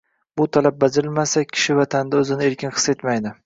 Bu talab bajarilmasa, kishi vatanida o‘zini erkin his etmaydi